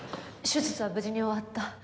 手術は無事に終わった。